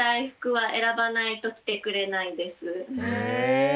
はい。